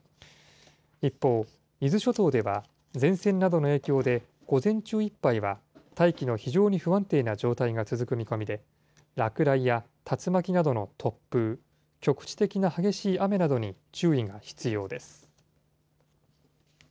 一方、伊豆諸島では前線などの影響で、午前中いっぱいは、大気の非常に不安定な状態が続く見込みで、落雷や竜巻などの突風、局地的な激しい雨などに注意が必要です。